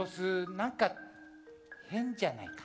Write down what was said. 何か変じゃないか？